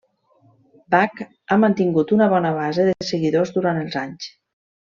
Bach ha mantingut una bona base de seguidors durant els anys.